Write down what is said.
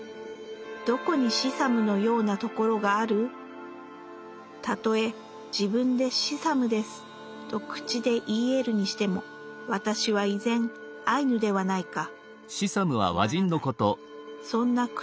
何処にシサムのやうなところがある⁉たとへ自分でシサムですと口で言ひ得るにしても私は依然アイヌではないか」。